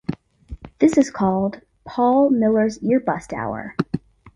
This is called 'Paul Millers Ear Bust Hour'.